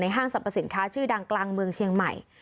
ห้างสรรพสินค้าชื่อดังกลางเมืองเชียงใหม่